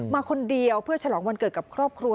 มาคนเดียวเพื่อฉลองวันเกิดกับครอบครัว